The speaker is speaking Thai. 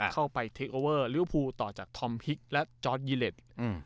เข้าไปทรีคโอเวอร์ริวภูต่อจากทอมพลิกและจอร์ดยิเลสอืม